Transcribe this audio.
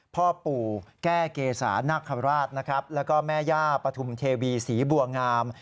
พ่อปู่แก้เกษานักคราชนะครับแล้วก็แม่ย่าปฐุมเทวีศรีบัวงาม